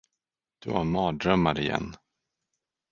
Du har mardrömmar igen.